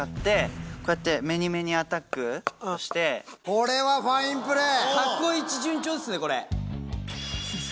これはファインプレー！